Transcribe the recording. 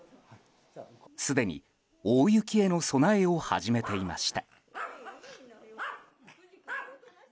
すでに大雪への備えを始めていました。